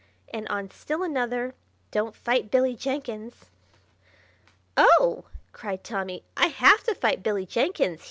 And on still another, "Don't fight Billy Jenkins!" "Oh!" cried Tommy. "I have to fight Billy Jenkins!